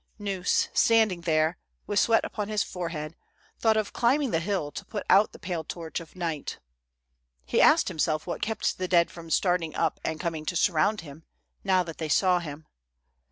Gneuss, standing there, with sweat upon his foreliead, thought of climbing the hill to put out the pale torch of night. lie asked himself what kept the dead from starting up and coming to surround him, now that they saw him.